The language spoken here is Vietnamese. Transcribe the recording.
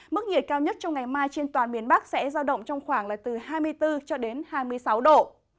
mức nhiệt cao nhất trong ngày mai trên toàn miền bắc sẽ giao động trong khoảng là từ hai mươi bốn cho đến hai mươi sáu độ